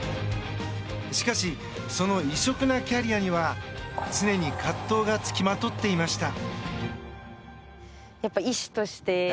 しかし、その異色なキャリアには常に葛藤がつきまとっていました。